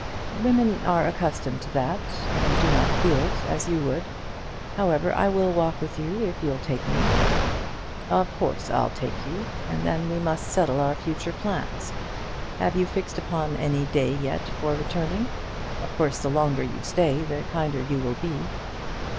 "Women are accustomed to that, and do not feel it as you would. However, I will walk with you if you'll take me." "Of course I'll take you. And then we must settle our future plans. Have you fixed upon any day yet for returning? Of course, the longer you stay, the kinder you will be."